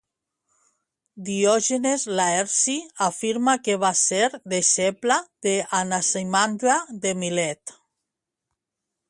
Diògenes Laerci afirma que va ser deixeble d'Anaximandre de Milet.